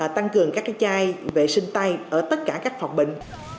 tăng cường các chai vệ sinh tay ở tất cả các phòng bệnh